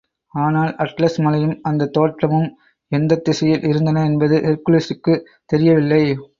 ஆனால், அட்லஸ் மலையும் அந்தத் தோட்டமும் எந்தத் திசையில் இருந்தன என்பது ஹெர்க்குலிஸுக்குத் தெரியவில்லை.